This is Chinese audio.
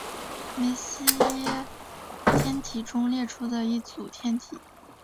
梅西耶天体中列出的一组天体。